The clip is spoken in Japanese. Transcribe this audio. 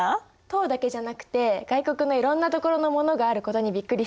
唐だけじゃなくて外国のいろんな所のものがあることにびっくりした。